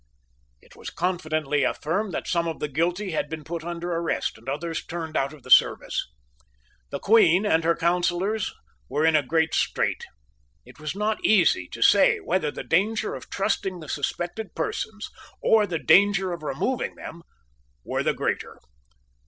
It was even confidently affirmed that some of the guilty had been put under arrest, and others turned out of the service. The Queen and her counsellors were in a great strait. It was not easy to say whether the danger of trusting the suspected persons or the danger of removing them were the greater.